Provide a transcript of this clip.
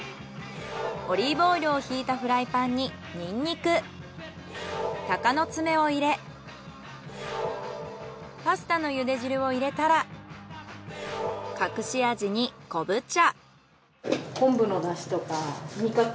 オリーブオイルをひいたフライパンにニンニク鷹の爪を入れパスタの茹で汁を入れたら隠し味に昆布茶。